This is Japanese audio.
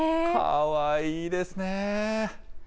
かわいいですね。